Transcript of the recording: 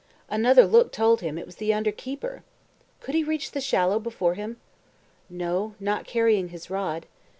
Another look told him that it was the under keeper. Could he reach the shallow before him? No, not carrying his rod.